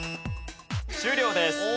終了です。